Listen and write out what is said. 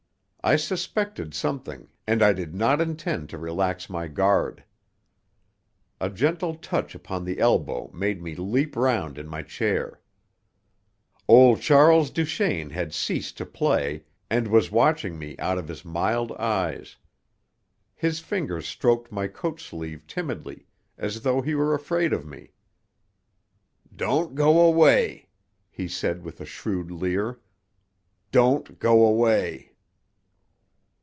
I suspected something, and I did not intend to relax my guard. A gentle touch upon the elbow made me leap round in my chair. Old Charles Duchaine had ceased to play and was watching me out of his mild eyes. His fingers stroked my coat sleeve timidly, as though he were afraid of me. "Don't go away!" he said with a shrewd leer. "Don't go away!"